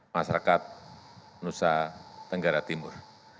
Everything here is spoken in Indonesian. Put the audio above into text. masyarakat nusa tenggara timur